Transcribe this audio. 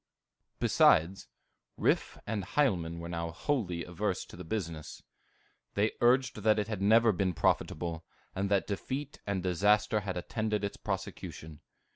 Besides, Riffe and Hielman were now wholly averse to the business; they urged that it had never been profitable, and that defeat and disaster had attended its prosecution.